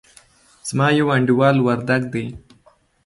زما يو انډيوال وردګ دئ.